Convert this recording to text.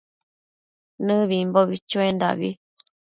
Nëbimbo chuendabi